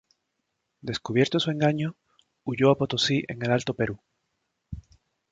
Descubierto su engaño, huyó a Potosí en el Alto Perú.